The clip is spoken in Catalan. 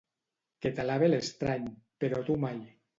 Que t'alabe l'estrany, però tu mai.